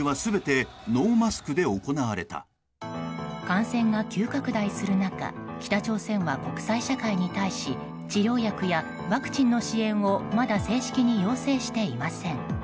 感染が急拡大する中北朝鮮は国際社会に対し治療薬やワクチンの支援をまだ正式に要請していません。